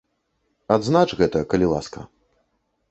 Адзнач гэта, калі ласка.